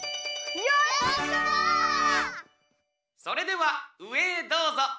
それではうえへどうぞ！